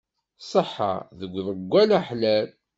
Ṣṣeḥa deg uḍeggal aḥlal.